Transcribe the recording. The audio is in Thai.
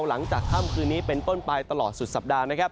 หลังจากข้ามคืนนี้เป็นต้นปลายตลอดสุดสัปดาห์